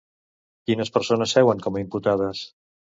Quines persones seuen com a imputades?